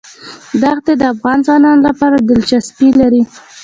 دښتې د افغان ځوانانو لپاره دلچسپي لري.